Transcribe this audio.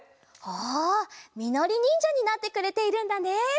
おおみのりにんじゃになってくれているんだね。